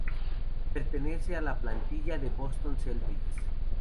Pertenece a la plantilla de Boston Celtics.